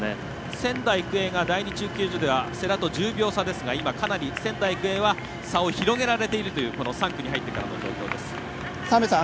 仙台育英が第２中継所では世羅と１０秒差ですがかなり仙台育英は差を広げられている３区に入ってからの状況です。